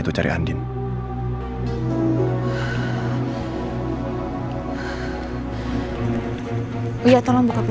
untuk masalah mas alman nuntut kamu